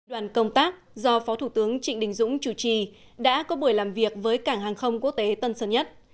đoàn công tác do phó thủ tướng trịnh đình dũng chủ trì đã có buổi làm việc với cảng hàng không quốc tế tân sơn nhất